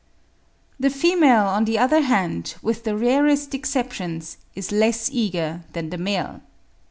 The female, on the other hand, with the rarest exceptions, is less eager than the male.